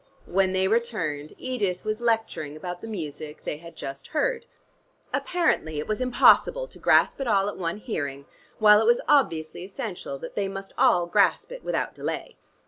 When they returned, Edith was lecturing about the music they had just heard. Apparently it was impossible to grasp it all at one hearing, while it was obviously essential that they must all grasp it without delay.